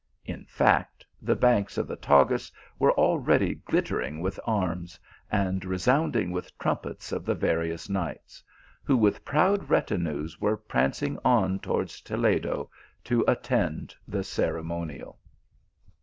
In fact, the banks of the Tagus were already glittering with arms, and resounding with trumpets of the various knights, who with proud retinues were prancing on towards Toledo, to attend the ceremonial.